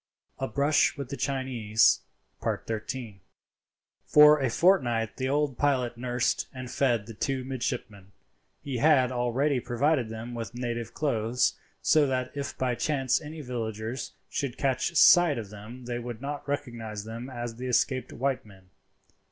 A BRUSH WITH THE CHINESE.—XIII. For a fortnight the old pilot nursed and fed the two midshipmen. He had already provided them with native clothes, so that if by chance any villagers should catch sight of them they would not recognize them as the escaped white men.